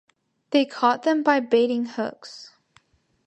They caught them by baiting hooks.